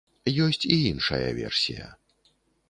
Ёсць і іншая версія.